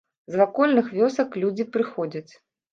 З вакольных вёсак людзі прыходзяць.